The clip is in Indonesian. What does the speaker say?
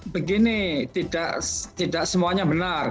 begini tidak semuanya benar